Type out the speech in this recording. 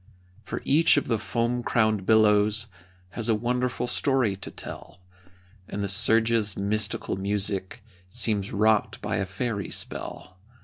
For each of the foam crowned billows Has a wonderful story to tell, And the surge's mystical music Seems wrought by a fairy spell.